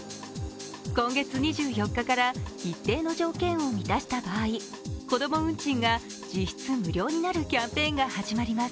今月２４日から一定の条件を満たした場合、子供運賃が実質無料になるキャンペーンが始まります。